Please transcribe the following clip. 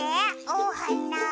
おはな！